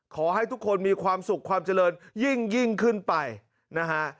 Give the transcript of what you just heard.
ขอให้ทุกคนมีความสุขความเจริญยิ่งขึ้นไปนะฮะ